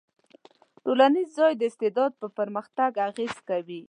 ټولنیز ځای د استعداد په پرمختګ اغېز کوي.